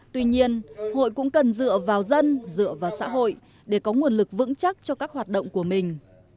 tuy nhiên hội cũng cần dựa vào dân dựa vào xã hội để có nguồn lực vững chắc cho các hoạt động của mình